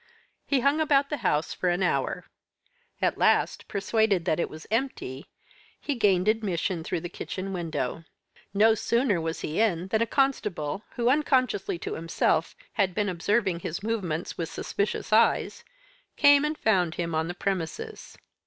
He hung about the house for an hour. At last, persuaded that it was empty, he gained admission through the kitchen window. No sooner was he in than a constable who, unconsciously to himself, had been observing his movements with suspicious eyes, came and found him on the premises.